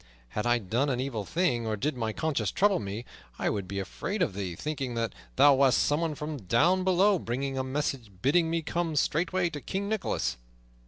Had I done an evil thing, or did my conscience trouble me, I would be afraid of thee, thinking that thou wast someone from down below bringing a message bidding me come straightway to King Nicholas."